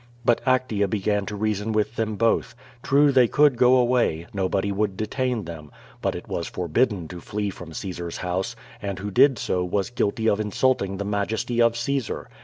But Actea began to reason with them both. True, they could go away, nobody would detain them. But it was for bidden to flee from Caesar's house, and who did so was guilty of insulting the majesty of Caesar.